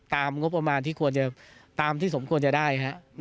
ตามงบประมาณที่สมควรจะได้